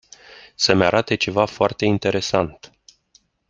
Să-mi arate ceva foarte interesant.